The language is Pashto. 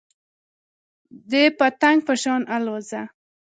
د پتنګ په شان الوځه .